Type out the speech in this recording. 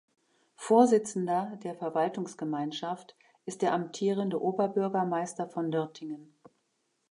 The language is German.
Vorsitzender der Verwaltungsgemeinschaft ist der amtierende Oberbürgermeister von Nürtingen.